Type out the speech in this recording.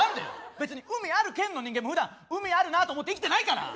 別に海ある県の人間もふだん海あるなと思って生きてないから！